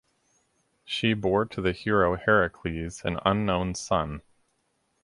She bore to the hero Heracles an unknown son.